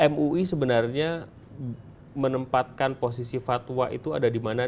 mui sebenarnya menempatkan posisi fatwa itu ada di mana